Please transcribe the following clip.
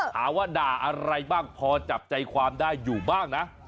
ถามว่าด่าอะไรบ้างพอจับใจความได้อยู่บ้างนะ